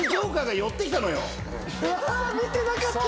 うわ見てなかった！